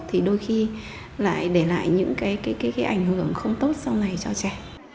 thì đôi khi lại để lại những cái ảnh hưởng không tốt sau này cho trẻ